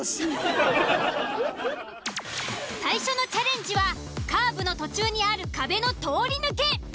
最初のチャレンジはカーブの途中にある壁の通り抜け。